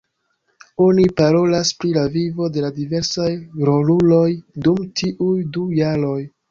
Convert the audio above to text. Oni parolas pri la vivo de la diversaj roluloj dum tiuj du jaroj.